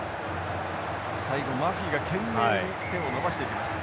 最後マフィが懸命に手を伸ばしていきました。